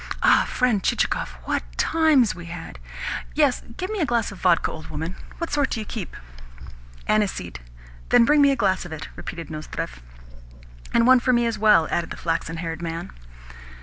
Ah, friend Chichikov, what times we had! Yes, give me a glass of vodka, old woman. What sort do you keep?" "Aniseed." "Then bring me a glass of it," repeated Nozdrev. "And one for me as well," added the flaxen haired man.